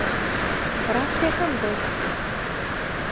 ڕاستییەکەم گوت.